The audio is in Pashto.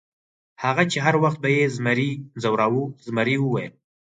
هغه چې هر وخت به یې زمري ځوراوه، زمري وویل.